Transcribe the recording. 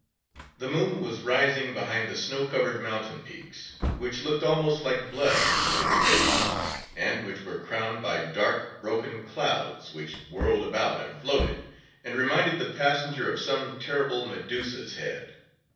The moon was rising behind the snow covered mountain peaks, which looked almost like blood under its rays, and which were crowned by dark, broken clouds, which whirled about and floated, and reminded the passenger of some terrible Medusa's head.